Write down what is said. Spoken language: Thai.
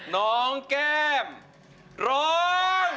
น้องแก้มร้อง